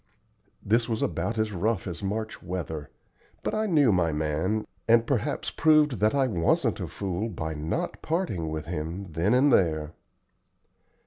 '" This was about as rough as March weather; but I knew my man, and perhaps proved that I wasn't a fool by not parting with him then and there.